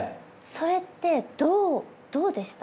それってどうでした？